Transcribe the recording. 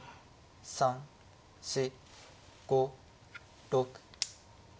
３４５６。